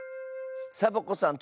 サボ子さん